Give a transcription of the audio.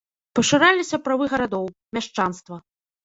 Пашыраліся правы гарадоў, мяшчанства.